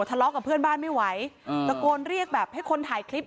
ทะเลาะกับเพื่อนบ้านไม่ไหวตะโกนเรียกแบบให้คนถ่ายคลิป